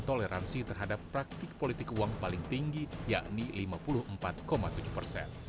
toleransi terhadap praktik politik uang paling tinggi yakni lima puluh empat tujuh persen